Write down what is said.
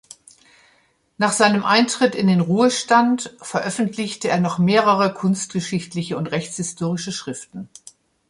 Nach seinem Eintritt in den Ruhestand veröffentlichte er noch mehrere kunstgeschichtliche und rechtshistorische Schriften.